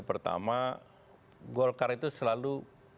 pertama golkar itu selalu